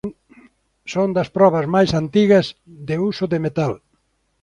Son das probas máis antigas de uso de metal.